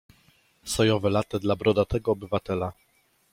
Sojowe late dla brodatego obywatela.